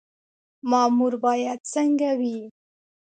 مامور باید څنګه وي؟